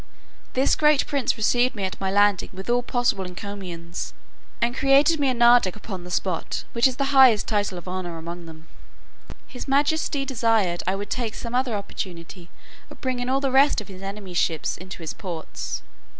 This great prince received me at my landing with all possible encomiums, and created me a nardac upon the spot, which is the highest title of honour among them. His majesty desired I would take some other opportunity of bringing all the rest of his enemy's ships into his ports.